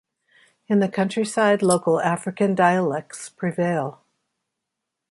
In the countryside, local African dialects prevail.